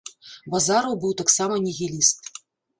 Базараў быў таксама нігіліст.